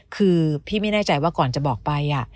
คือพี่ไม่แน่ใจว่าก่อนจะบอกไป